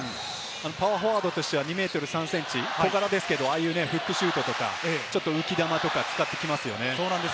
パワーフォワードとしては２ｍ３ｃｍ、小柄ですけれども、ああいうフックシュートとか、浮き球とか使ってきますよね。